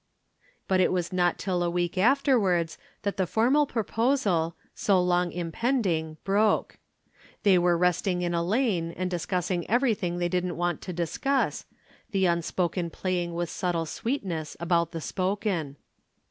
But it was not till a week afterwards that the formal proposal, so long impending, broke. They were resting in a lane and discussing everything they didn't want to discuss, the unspoken playing with subtle sweetness about the spoken.